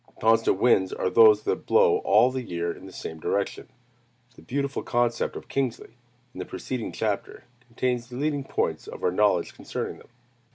Constant winds are those that blow all the year in the same direction. The beautiful concept of Kingsley, in the preceding chapter, contains the leading points of our knowledge concerning them.